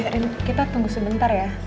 oh iya rin kita tunggu sebentar ya